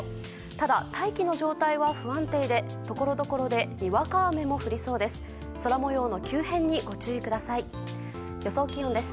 ただ、大気の状態は不安定でところどころでにわか雨も降りそうです。